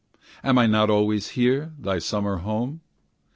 Am I not always here, thy summer home?